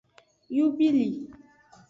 Yubili.